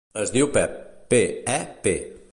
Es diu Pep: pe, e, pe.